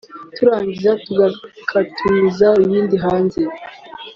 twarangiza tugakatumiza ibindi hanze